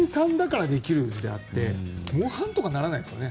大谷さんだからできるのであって模範にならないですよね。